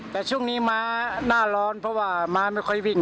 แต่ช่วงนี้ม้าหน้าร้อนเพราะว่าม้าไม่ค่อยวิ่ง